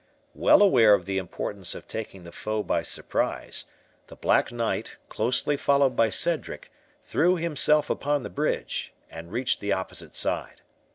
Well aware of the importance of taking the foe by surprise, the Black Knight, closely followed by Cedric, threw himself upon the bridge, and reached the opposite side.